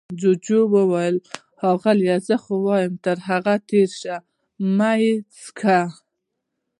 جورج وویل: ښاغلې! زه خو وایم تر هغوی تېر شه، مه یې څښه.